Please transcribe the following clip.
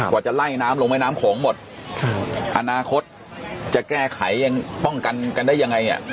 จะไล่น้ำลงแม่น้ำโขงหมดอนาคตจะแก้ไขยังป้องกันกันได้ยังไงเนี่ย